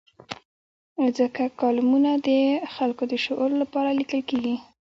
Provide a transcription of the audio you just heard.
ځکه کالمونه د خلکو د شعور لپاره لیکل کېږي.